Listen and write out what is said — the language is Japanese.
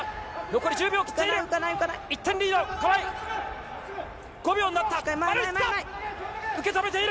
残り１０秒を切っている。